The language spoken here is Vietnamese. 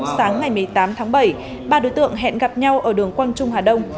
sáng ngày một mươi tám tháng bảy ba đối tượng hẹn gặp nhau ở đường quang trung hà đông